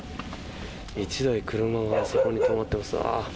１台、車があそこに止まっています。